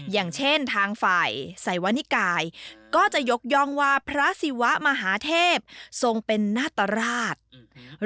อย่างเช่นทางฝ่ายสวนิกายก็จะยกย่องว่าพระศิวะมหาเทพทรงเป็นนาตราช